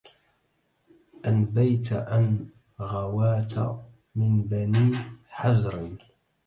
أنبيت أن غواة من بني حجر